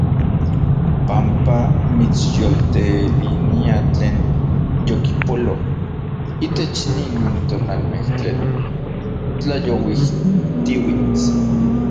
Panpa mitsyoltelinia tlen yokipolo itech ninmej tonalmej tlen tlayouijtiuits.